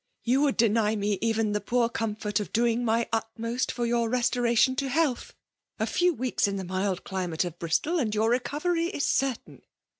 " You would deny me even the poor comfort of doing my utmost for your restoration to health. A few weeks in the mild climate of Bristol^ and your recovery is certain.